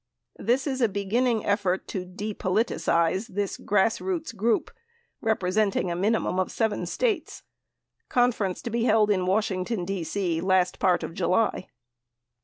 This is a beginning effort to de politicize this g rass roots group representing a minimum of seven States, onference to be held in Washington, D.C., last part of July.'